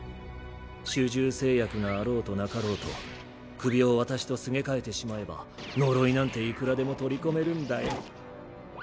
主従制約があろうとなかろうと首を私とすげ替えてしまえば呪いなんていくらでも取り込めるんだよ。